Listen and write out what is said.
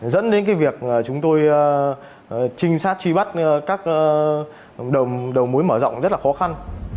dẫn đến cái việc chúng tôi trinh sát truy bắt các đầu mối mở rộng rất là khó khăn